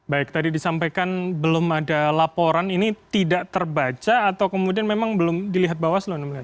baik tadi disampaikan belum ada laporan ini tidak terbaca atau kemudian memang belum dilihat bawaslu anda melihat